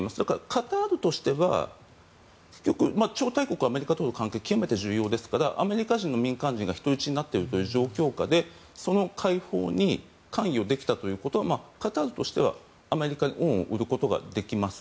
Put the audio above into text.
カタールとしては超大国アメリカとの関係は極めて重要ですからアメリカ人の民間人が人質になっているという状況下でその解放に関与できたということはカタールとしてはアメリカに恩を売ることができます。